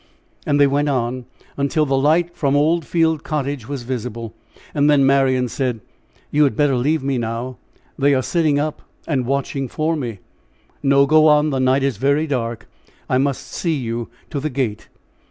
And they went on until the light from Old Field Cottage was visible. Then Marian said: "You had better leave me now. They are sitting up and watching for me." "No! go on, the night is very dark. I must see you to the gate."